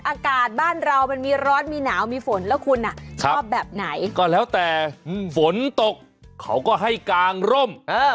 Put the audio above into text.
อากาศบ้านเรามันมีร้อนมีหนาวมีฝนแล้วคุณชอบแบบไหนก็แล้วแต่ฝนตกเขาก็ให้กางร่ม